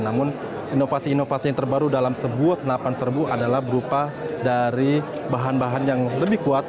namun inovasi inovasi yang terbaru dalam sebuah senapan serbu adalah berupa dari bahan bahan yang lebih kuat